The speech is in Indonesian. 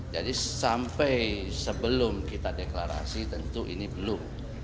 jadi sampai sebelum kita deklarasi tentu ini belum